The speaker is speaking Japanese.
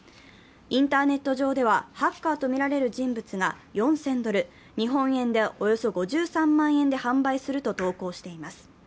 インターネット上では、ハッカーとみられる人物が４０００ドル、日本円でおよそ５３万円で販売すると投稿しています。